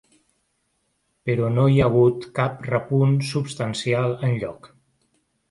Però no hi ha hagut cap repunt substancial enlloc.